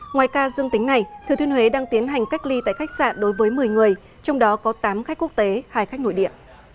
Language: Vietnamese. ngoài ca dương tính này thừa thiên huế đang tiến hành cách ly tại khách sạn đối với một mươi người trong đó có tám khách quốc tế hai khách nội địa